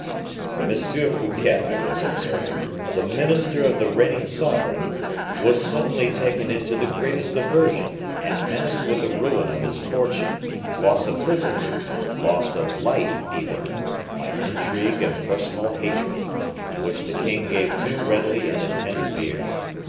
"M. Fouquet, I was observing, the minister of the reigning sovereign, was suddenly taken into the greatest aversion, and menaced with the ruin of his fortune, loss of liberty, loss of life even, by intrigue and personal hatred, to which the king gave too readily an attentive ear.